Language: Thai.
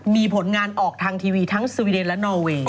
มีผลงานออกทางทีวีทั้งสวีเดนและนอเวย์